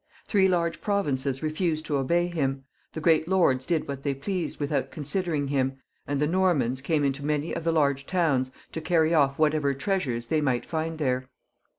Three large provinces refused to obey him, the great lords did what they pleased without con sidering him, and the ITormans came into many of the large towns to carry off whatever treasures they might find there.